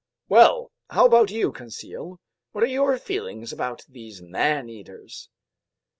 "Well, how about you, Conseil? What are your feelings about these man eaters?"